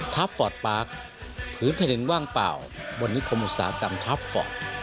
ฟอร์ตปาร์คผืนแผ่นดินว่างเปล่าบนนิคมอุตสาหกรรมคาฟฟอร์ต